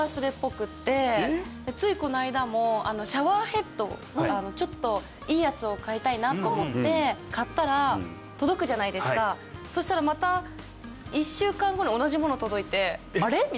私ついこの間もシャワーヘッドをちょっといいやつを買いたいなと思って買ったら届くじゃないですかそしたらまた「あれ？」